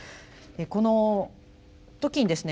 この時にですね